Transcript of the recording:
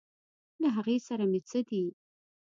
له هغې سره مې څه دي.